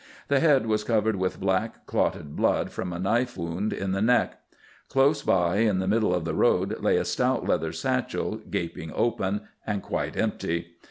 The head was covered with black, clotted blood from a knife wound in the neck. Close by, in the middle of the road, lay a stout leather satchel, gaping open, and quite empty.